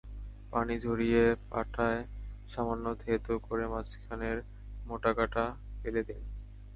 পানি ঝরিয়ে পাটায় সামান্য থেঁতো করে মাঝখানের মোটা কাঁটা ফেলে দিন।